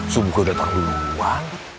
subuh kau datang duluan